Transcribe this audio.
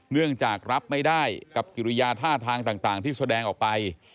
เนื่องจากรับไม่ได้กับกิริยาท่าทางต่างที่แสดงออกไป